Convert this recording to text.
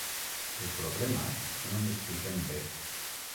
El problema és que no ens expliquem bé.